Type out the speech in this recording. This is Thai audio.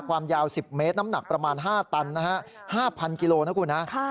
ความยาว๑๐เมตรน้ำหนักประมาณ๕ตันนะฮะ๕๐๐กิโลนะคุณฮะ